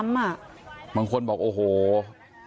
มีภาพวงจรปิดอีกมุมหนึ่งของตอนที่เกิดเหตุนะฮะ